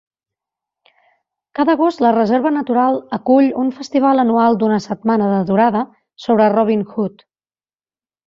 Cada agost la reserva natural acull un festival anual d'una setmana de durada sobre Robin Hood.